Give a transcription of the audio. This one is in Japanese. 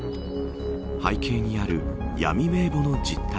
背景にある闇名簿の実態。